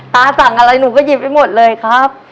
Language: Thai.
สั่งอะไรหนูก็หยิบไปหมดเลยครับ